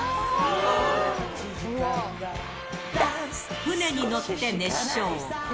船に乗って熱唱。